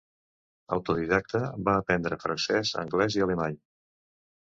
Autodidacta, va aprendre francès, anglès i alemany.